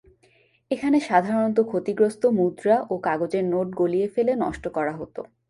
এখানে সাধারণত ক্ষতিগ্রস্ত মুদ্রা ও কাগজের নোট গলিয়ে ফেলে নষ্ট করা হত।